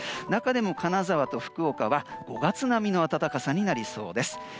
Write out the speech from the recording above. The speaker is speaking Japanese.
中でも金沢と福岡は５月並みの暖かさになりそうです。